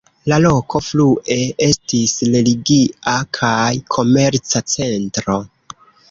La loko frue estis religia kaj komerca centro.